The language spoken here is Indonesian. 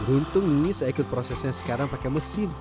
untung ini saya ikut prosesnya sekarang pakai mesin